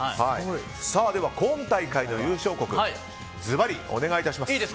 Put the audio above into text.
では、今大会の優勝国をずばりお願いします。